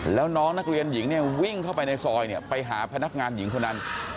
แล้วน้องนักเรียนหญิงเนี่ยวิ่งเข้าไปในซอยเนี่ยไปหาพนักงานหญิงคนนั้น